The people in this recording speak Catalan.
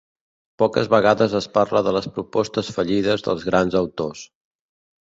Poques vegades es parla de les propostes fallides dels grans autors.